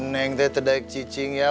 neng neng udah tidur ya